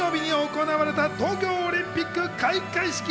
先週金曜日に行われた東京オリンピック開会式。